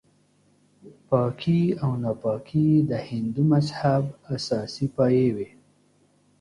پاکي او ناپاکي د هندو مذهب اساسي پایې وې.